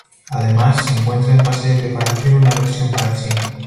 Además se encuentra en fase de preparación una versión para China.